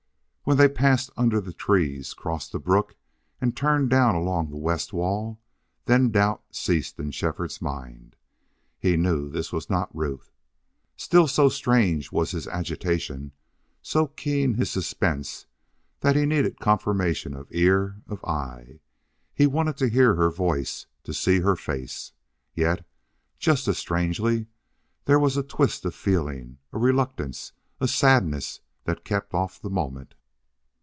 When they passed under the trees, crossed the brook, and turned down along the west wall, then doubt ceased in Shefford's mind. He knew this was not Ruth. Still, so strange was his agitation, so keen his suspense, that he needed confirmation of ear, of eye. He wanted to hear her voice, to see her face. Yet just as strangely there was a twist of feeling, a reluctance, a sadness that kept off the moment.